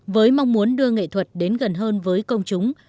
với mong muốn đưa nghệ thuật đến gần hơn với công chúng